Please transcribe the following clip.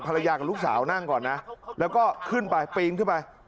ภรรยากับลูกสาวนั่งก่อนนะแล้วก็ขึ้นไปปีนขึ้นไป